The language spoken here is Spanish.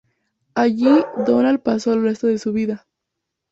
Allí Donald pasó el resto de su vida.